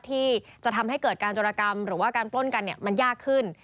ที่จะทำให้เกิดการจรกรรมหรือว่าการปล้นกันมันยากขึ้น